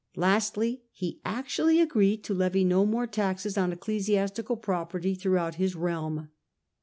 Lastly, he actually agreed to levy no more taxes on ecclesiastical property throughout his realm.